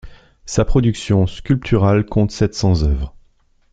Sa production sculpturale compte sept cents œuvres.